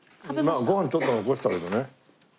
まあご飯ちょっと残したけどね。